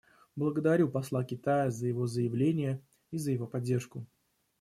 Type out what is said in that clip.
Благодарю посла Китая за его заявление и за его поддержку.